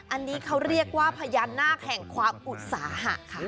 อันนี้เขาเรียกว่าพญานาคแห่งความอุตสาหะค่ะ